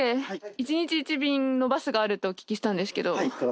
１日１便のバスがあるとお聞きしたんですけど。